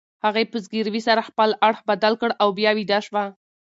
هغې په زګیروي سره خپل اړخ بدل کړ او بیا ویده شوه.